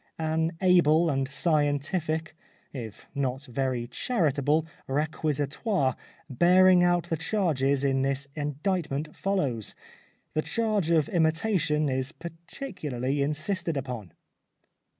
An able and scientific, if not very charitable, requisitoire bearing out the charges in this in dictment follows. The charge of imitation is particularly insisted upon.